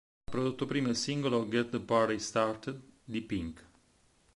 Ha prodotto prima il singolo "Get the Party Started" di P!nk.